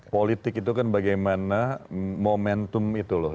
politik itu kan bagaimana momentum itu loh